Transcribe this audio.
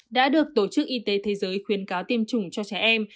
đã được tổ chức y tế thế giới khuyến cáo tiêm chủng cho trẻ em